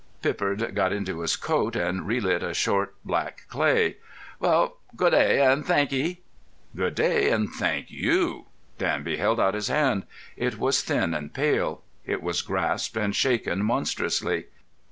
Pippard got into his coat and re lit a short black clay. "Well, good day, and thankee." "Good day, and thank you." Danby held out his hand. It was thin and pale. It was grasped and shaken monstrously.